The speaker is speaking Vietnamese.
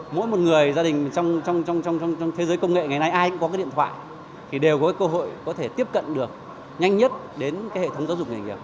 mỗi một người gia đình trong thế giới công nghệ ngày nay ai cũng có cái điện thoại thì đều có cơ hội có thể tiếp cận được nhanh nhất đến hệ thống giáo dục nghề nghiệp